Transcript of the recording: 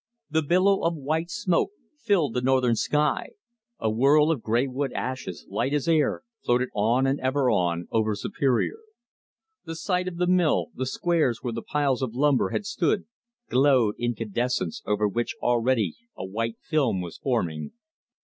The billow of white smoke filled the northern sky. A whirl of gray wood ashes, light as air, floated on and ever on over Superior. The site of the mill, the squares where the piles of lumber had stood, glowed incandescence over which already a white film was forming.